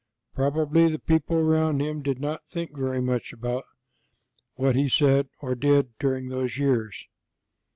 Probably the people around Him did not think very much about what He said or did during those years.